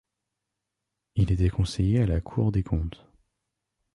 Il était conseiller à la Cour des comptes.